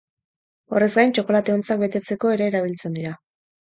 Horrez gain, txokolate-ontzak betetzeko ere erabiltzen dira.